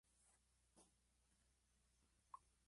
Se crean las tablas de enrutamiento y se notifica a otros nodos.